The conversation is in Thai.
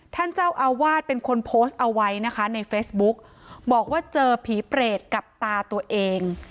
ท่านเจ้าอาวาสเป็นคนโพสต์เอาไว้นะคะในเฟซบุ๊กบอกว่าเจอผีเปรตกับตาตัวเอง